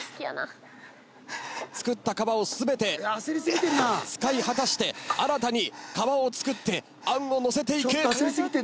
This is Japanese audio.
作った皮を全て使い果たして新たに皮を作ってあんを載せていく。